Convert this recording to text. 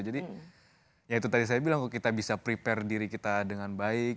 jadi ya itu tadi saya bilang kok kita bisa prepare diri kita dengan baik